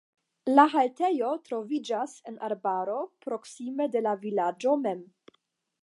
La haltejo troviĝas en arbaro proksime de la vilaĝo mem.